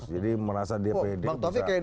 jadi merasa dpd bisa